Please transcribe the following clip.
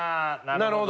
なるほど。